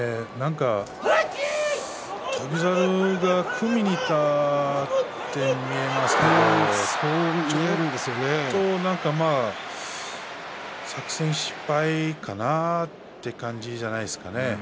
翔猿が組みにいったように見えますけどちょっと作戦失敗かなという感じじゃないですかね。